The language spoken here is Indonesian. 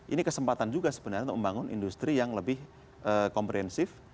ini kesempatan juga sebenarnya untuk membangun industri yang lebih komprehensif